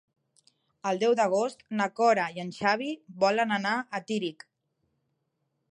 El deu d'agost na Cora i en Xavi volen anar a Tírig.